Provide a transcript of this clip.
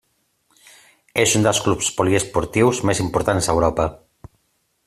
És un dels clubs poliesportius més importants d'Europa.